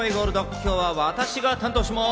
今日は私が担当します。